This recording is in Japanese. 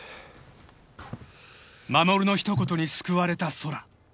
［衛の一言に救われた空］